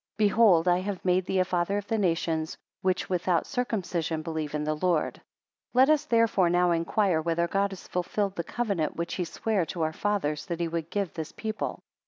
Behold I have made thee a father of the nations, which without circumcision believe in the Lord. 11 Let us therefore now inquire whether God has fulfilled the covenant, which he sware to our fathers, that he would give this people?